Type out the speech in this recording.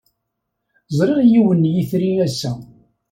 Ẓriɣ yiwen n yitri ass-a.